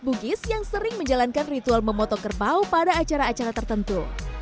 bugis yang sering menjalankan ritual memotong kerbau pada acara acara tertentu